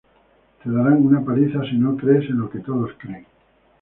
Te darán una paliza si no crees en lo que todos creen".